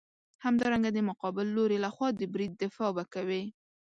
همدارنګه د مقابل لوري لخوا د برید دفاع به کوې.